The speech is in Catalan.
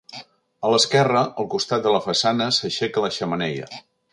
A l'esquerra, al costat de la façana, s'aixeca la xemeneia.